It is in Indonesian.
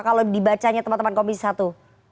kalau dibacanya teman teman komisi satu dpr ri